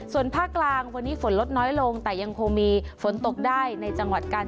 ส่วนภาคกลางวันนี้ฝนลดน้อยลงแต่ยังคงมีฝนตกได้ในจังหวัดกาล